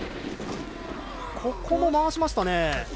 ここも回しましたね。